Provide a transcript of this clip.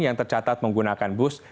yang tercatat menggunakan bus